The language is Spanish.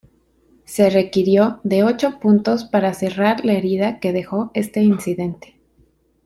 Se requirió de ocho puntos para cerrar la herida que dejó este incidente.